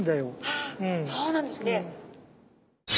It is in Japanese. ああそうなんですね。